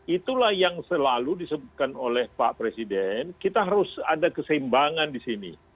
itulah yang selalu disebutkan oleh pak presiden kita harus ada keseimbangan di sini